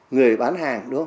người bán hàng